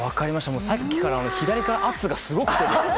さっきから左から圧がすごくて。